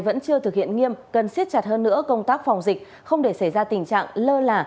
vẫn chưa thực hiện nghiêm cần siết chặt hơn nữa công tác phòng dịch không để xảy ra tình trạng lơ là